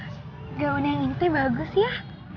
ah gaun yang ini tuh bagus ya